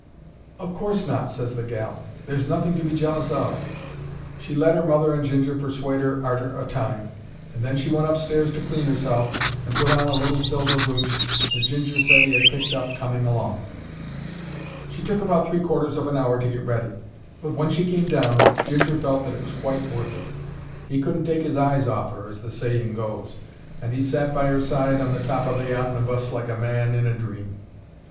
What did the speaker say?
"Of course not," ses the gal. "There's nothing to be jealous of." She let 'er mother and Ginger persuade 'er arter a time, and then she went upstairs to clean herself, and put on a little silver brooch that Ginger said he 'ad picked up coming along. She took about three quarters of an hour to get ready, but when she came down, Ginger felt that it was quite worth it. He couldn't take 'is eyes off 'er, as the saying goes, and 'e sat by 'er side on the top of the omnibus like a man in a dream.